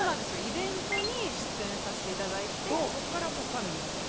イベントに出演させていただいてそっからもうファミリーみたいな。